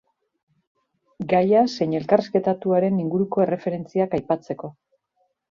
Gaia zein elkarrizketatuaren inguruko erreferentziak aipatzeko.